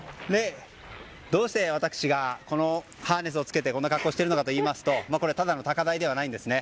どうして私がこのハーネスを着けてこんな格好をしているのかといいますとこれはただの高台ではないんですね。